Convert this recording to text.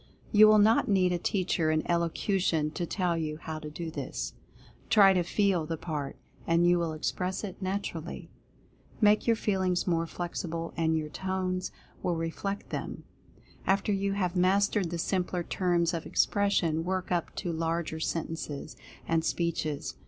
You will not need a teacher in elocution to tell you how to do this. Try to FEEL the part, and you will express it naturally. Make your Feelings more flexible, and your Tones will reflect them. After you have mastered the simpler terms of expression, work up to larger sentences, and speeches.